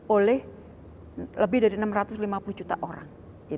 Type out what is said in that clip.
oleh lebih dari enam ratus lima puluh juta orang